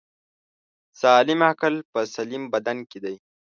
سالم عقل په سلیم بدن کی دی